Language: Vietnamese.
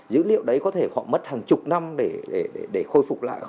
dữ liệu đấy có thể họ mất hàng chục năm để khôi phục lại